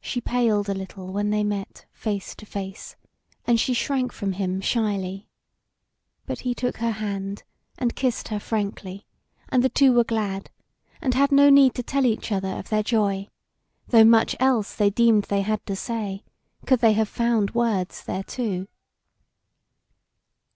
She paled a little when they met face to face, and she shrank from him shyly. But he took her hand and kissed her frankly; and the two were glad, and had no need to tell each other of their joy, though much else they deemed they had to say, could they have found words thereto.